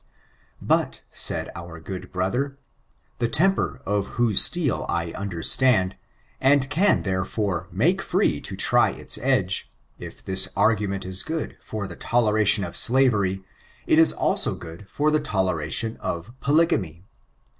But, said our good brother, the temper of whose steel I understand, and can, therefore, make free to try its edge, if this argument is good for the toleradon of slavery, it is also good for the toleradon of polygamy.